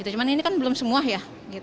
cuma ini kan belum semua ya